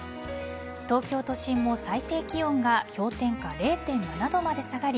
東京都心も最低気温が氷点下０．７度まで下がり